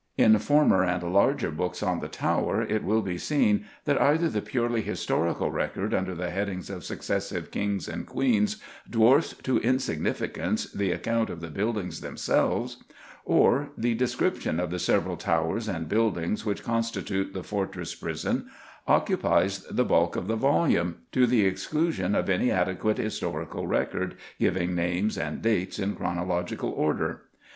In former and larger books on the Tower it will be seen that either the purely historical record under the headings of successive Kings and Queens dwarfs to insignificance the account of the buildings themselves, or the description of the several towers and buildings which constitute the fortress prison occupies the bulk of the volume, to the exclusion of any adequate historical record giving names and dates in chronological order.